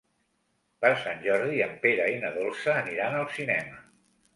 Per Sant Jordi en Pere i na Dolça aniran al cinema.